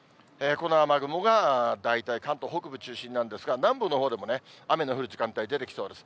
この雨雲が大体関東北部中心なんですが、南部のほうでも雨の降る時間帯出てきそうです。